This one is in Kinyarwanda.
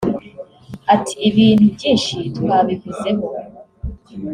Ati “ Ibintu byinshi twabivuzeho